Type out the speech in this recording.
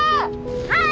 はい！